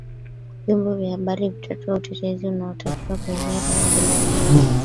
vyombo vya habari vitatoa utetezi unaotakiwa kwa hiari au bila ya hiari